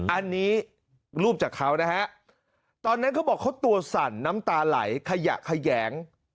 อันนี้รูปจากเขานะฮะตอนนั้นเขาบอกเขาตัวสั่นน้ำตาไหลขยะแขยง